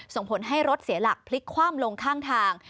ส่งผลให้รถเสียหลักพลิกคว่ำลงข้างทาง